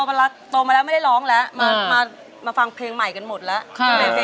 มากเลยนะครับเพราะเป็นปีเก่ามาก